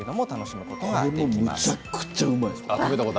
めちゃくちゃうまいです。